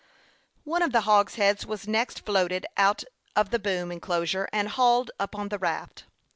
One of the hogsheads was next floated out of the boom enclosure, and hauled upon the raft.